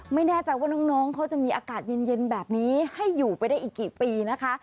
ไม่แน่ใจว่าน้องเขาจะมีอากาศเย็นแบบนี้ให้อยู่ไปได้อีกกี่ปีนะคะ